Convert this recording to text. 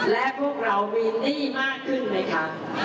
และพวกเรามีหนี้มากขึ้นไหมคะ